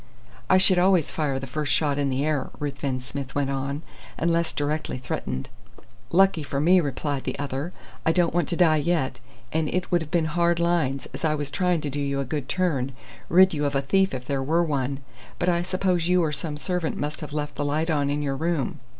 "I should always fire the first shot in the air," Ruthven Smith went on, "unless directly threatened." "Lucky for me," replied the other. "I don't want to die yet. And it would have been hard lines, as I was trying to do you a good turn: rid you of a thief if there were one. But I suppose you or some servant must have left the light on in your room."